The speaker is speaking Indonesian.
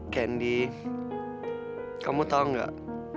candy kamu tau gak